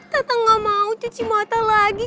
tata gak mau cuci mata lagi